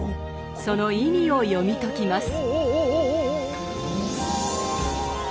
その意味を読み解きます。